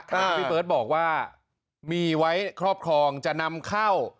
พี่เบิร์ตบอกว่ามีไว้ครอบครองจะนำเข้า